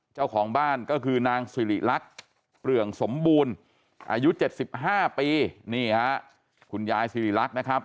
เจ้าของบ้านก็คือนางสิริรักษ์เปลืองสมบูรณ์อายุ๗๕ปีนี่ฮะคุณยายสิริรักษ์นะครับ